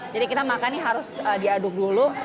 jadi kita makan ini harus diaduk dulu